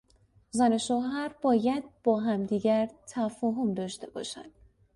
زن و شوهر باید با همدیگر تفاهم داشته باشند.